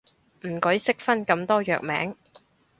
唔鬼識分咁多藥名